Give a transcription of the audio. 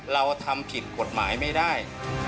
เราทำผิดกฎหมายไม่ได้